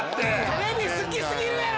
テレビ好きすぎるやろ！